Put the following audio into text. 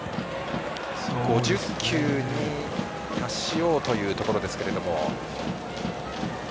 ５０球に達しようというところですけれども。